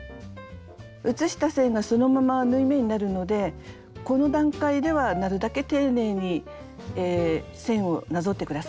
写した線がそのまま縫い目になるのでこの段階ではなるだけ丁寧にえ線をなぞって下さい。